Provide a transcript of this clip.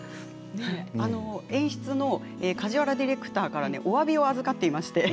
演出の梶原ディレクターから、おわびを預かっています。